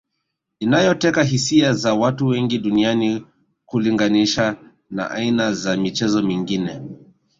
inayoteka hisia za watu wengi duniani kulinganisha na aina za michezo mingine